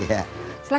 yang gini aja